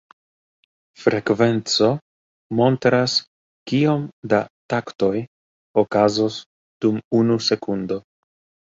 Frekvenco montras kiom da taktoj okazos dum unu sekundo.